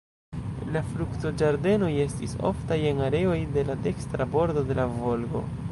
La fruktoĝardenoj estis oftaj en areoj de la dekstra bordo de la Volgo.